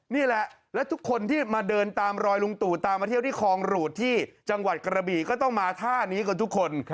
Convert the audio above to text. นี่แหละแล้วทุกคนที่มาเดินตามรอยลุงตู่ตามมาเที่ยวที่คลองหรูดที่จังหวัดกระบีก็ต้องมาท่านี้กันทุกคน